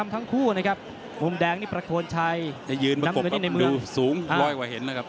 ทั้งคู่นะครับมุมแดงนี่ประโคนชัยจะยืนประกบนิดนึงดูสูงร้อยกว่าเห็นนะครับ